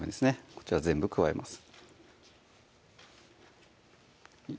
こちら全部加えます